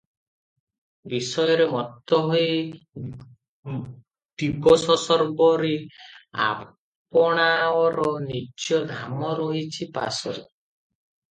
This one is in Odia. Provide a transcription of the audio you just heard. ବିଷୟରେ ମତ୍ତ ହୋଇ ଦିବସଶର୍ବରୀ, ଆପଣାଅର ନିଜ ଧାମ ରହିଛି ପାସୋରି ।